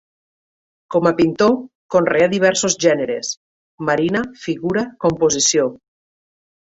Com a pintor, conreà diversos gèneres –marina, figura, composició.